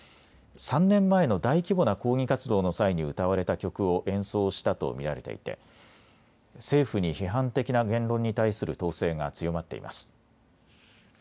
３年前の大規模な抗議活動の際に歌われた曲を演奏したと見られていて政府に批判的な言論に対する統制が強まっています。